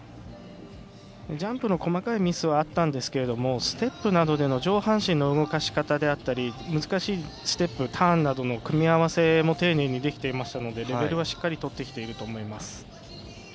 ジャンプの細かいミスはあったんですがステップなどでの上半身の動かし方や難しいステップ、ターンなどの組み合わせも丁寧にできていますのでレベルはしっかりとってきていると思います。